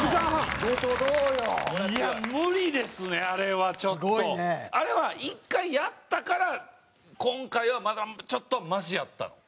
あれは１回やったから今回はまだちょっとマシやったの？